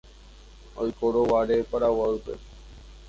Oikórõguare Paraguaýpe